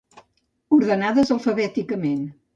Ordenades alfabèticament.